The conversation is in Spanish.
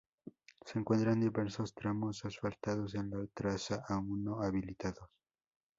Se encuentran diversos tramos asfaltados en la traza, aún no habilitados.